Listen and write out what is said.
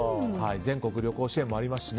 全国旅行支援もありますし